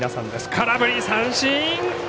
空振り三振。